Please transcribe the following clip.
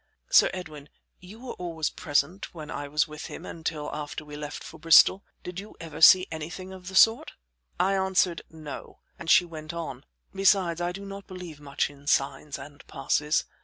Sir Edwin, you were always present when I was with him until after we left for Bristol; did you ever see anything of the sort?" I answered "No," and she went on. "Besides, I do not believe much in signs and passes.